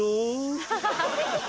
ハハハハ。